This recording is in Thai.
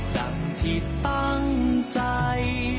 ดังที่ตั้งใจ